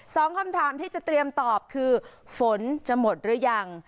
สองคำถามที่จะเตรียมตอบคือฝนจะหมดหรือยัง